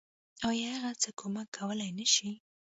آيا هغه څه کمک کولی نشي.